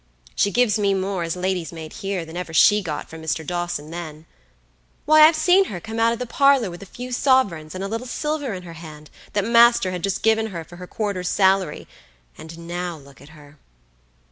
She gives me more as lady's maid here than ever she got from Mr. Dawson then. Why, I've seen her come out of the parlor with a few sovereigns and a little silver in her hand, that master had just given her for her quarter's salary; and now look at her!"